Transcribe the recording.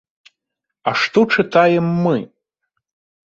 А што чытаем мы?